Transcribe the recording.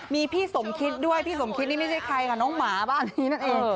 มีพี่สมคิดด้วยพี่สมคิดนี่ไม่ใช่ใครค่ะน้องหมาบ้านนี้นั่นเอง